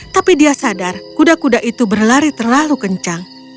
tapi dia sadar kuda kuda itu berlari terlalu kencang